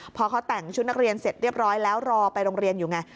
พอเขาแต่งชุดนักเรียนเสร็จเรียบร้อยแล้วรอไปโรงเรียนอยู่ไง